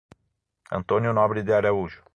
Antônio Nobre de Araújo